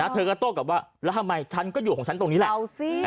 เธอก็โต้กลับว่าแล้วทำไมฉันก็อยู่ของฉันตรงนี้แหละ